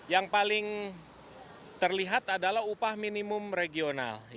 yang paling terlihat adalah upah minimum regional